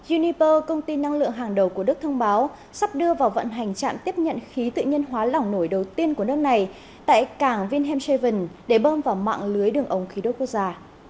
uniper công ty năng lượng hàng đầu của đức thông báo sắp đưa vào vận hành trạm tiếp nhận khí tự nhiên hóa lỏng nổi đầu tiên của nước này tại cảng vine traven để bơm vào mạng lưới đường ống khí đốt quốc gia